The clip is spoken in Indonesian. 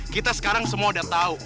kita sekarang semua udah tahu